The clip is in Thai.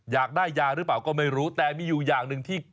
อยากได้ยาหรือเปล่าก็ไม่รู้แต่มีอยู่อย่างหนึ่งที่